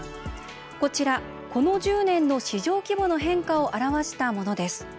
こちら、この１０年の市場規模の変化を表したものです。